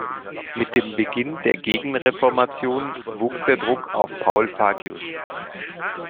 Mit dem Beginn der Gegenreformation wuchs der Druck auf Paul Fagius.